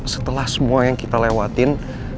setelah semua yang kita lewatin